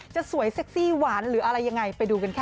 จะสวยเซ็กซี่หวานหรืออะไรยังไงไปดูกันค่ะ